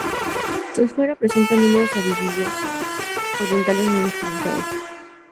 Su esfera presenta números arábigos orientales muy estilizados.